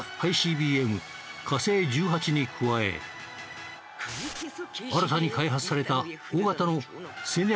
火星１８に加え新たに開発された大型の戦略